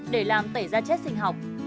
để làm tẩy da chết sinh học